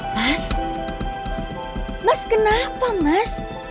mas mas kenapa mas